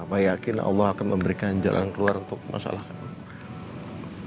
saya yakin allah akan memberikan jalan keluar untuk masalah kamu